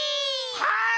はい！